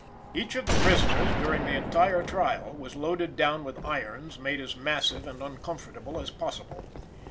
Each of these prisoners, during the entire trial, was loaded down with irons made as massive and uncomfortable as possible.